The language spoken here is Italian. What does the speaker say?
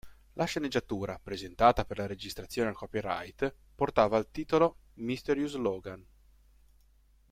La sceneggiatura, presentata per la registrazione al copyright, portava il titolo "Mysterious Logan".